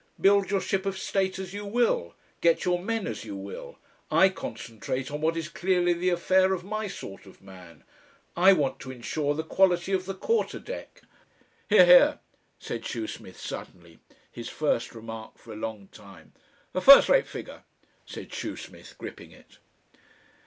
Build your ship of state as you will; get your men as you will; I concentrate on what is clearly the affair of my sort of man, I want to ensure the quality of the quarter deck." "Hear, hear!" said Shoesmith, suddenly his first remark for a long time. "A first rate figure," said Shoesmith, gripping it.